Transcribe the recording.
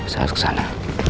saya harus ke sana